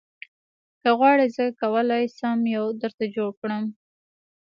که وغواړې زه کولی شم یو درته جوړ کړم